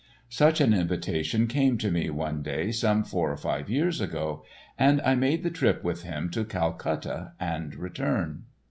Such an invitation came to me one day some four or five years ago, and I made the trip with him to Calcutta and return.